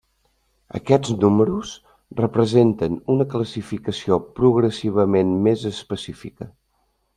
Aquests números representen una classificació progressivament més específica.